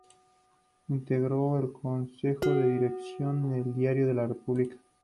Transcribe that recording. Integró el consejo de dirección del diario "La República".